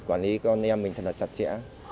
quản lý con em mình thật là chặt chẽ